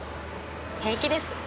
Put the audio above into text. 平気です。